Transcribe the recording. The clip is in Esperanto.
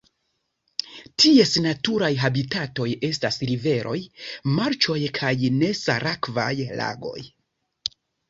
Ties naturaj habitatoj estas riveroj, marĉoj kaj nesalakvaj lagoj.